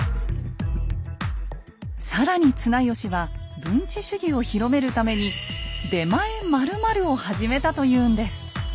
更に綱吉は文治主義を広めるために「出前○○」を始めたというんです。